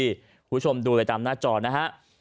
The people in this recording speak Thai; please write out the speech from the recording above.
คุณผู้ชมดูไปตามหน้าจอนะฮะ